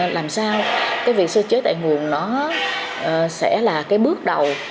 làm sao cái việc sơ chế tại nguồn nó sẽ là cái bước đầu